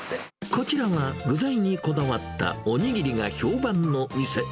こちらは、具材にこだわったおにぎりが評判の店。